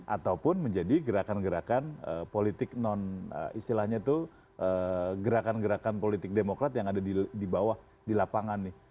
ataupun menjadi gerakan gerakan politik non istilahnya itu gerakan gerakan politik demokrat yang ada di bawah di lapangan nih